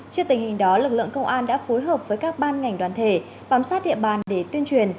trước tình hình đó lực lượng công an đã phối hợp với các ban ngành đoàn thể bám sát địa bàn để tuyên truyền